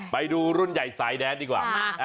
ไปดูรุ่นใหญ่สายแดนดีกว่า